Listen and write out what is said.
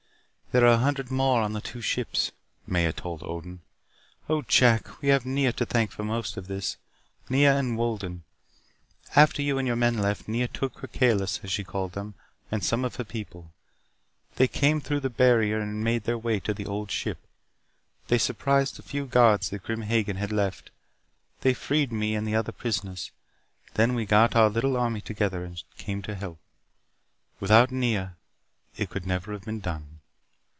"There are a hundred more on the two ships," Maya told Odin. "Oh, Jack, we have Nea to thank for most of this. Nea and Wolden. After you and your men left, Nea took her Kalis, as she called them, and some of her people. They came through the barrier and made their way to the Old Ship. They surprised the few guards that Grim Hagen had left. They freed me and the other prisoners. Then we got our little army together and came to help. Without Nea, it could never have been done."